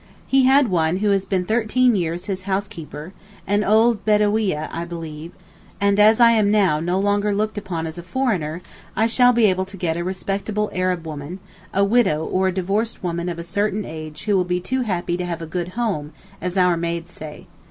He had one who has been thirteen years his housekeeper, an old bedaweeyeh, I believe, and as I now am no longer looked upon as a foreigner, I shall be able to get a respectable Arab woman, a widow or a divorced woman of a certain age who will be too happy to have 'a good home,' as our maids say.